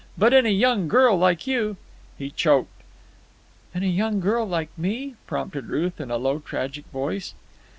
But in a young girl like you." He choked. "In a young girl like me," prompted Ruth in a low, tragic voice.